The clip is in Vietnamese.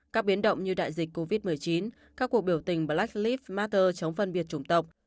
các biến động như đại dịch covid một mươi chín các cuộc biểu tình black lives matter chống phân biệt chủng tộc